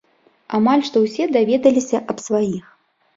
Амаль што ўсе даведаліся аб сваіх.